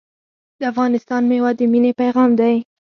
د افغانستان میوه د مینې پیغام دی.